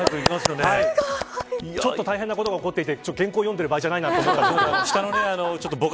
ちょっと大変なことが起こっていて原稿を読んでる場合じゃないなと思ったんですけど。